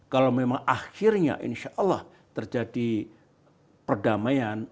kalau memang akhirnya insya allah terjadi perdamaian